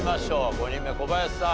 ５人目小林さん